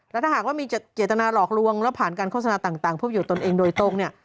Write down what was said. และถ้าหากว่ามีเจตนาหลอกลวงและผ่านการโฆษณาต่างพบอยู่ตนเองโดยตรง